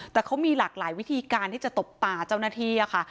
แต่เขามีหลากหลายวิธีการที่จะตบตาเจ้าหน้าที่ค่ะ